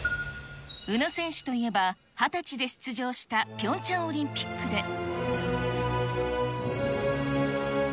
宇野選手といえば、２０歳で出場したピョンチャンオリンピックで。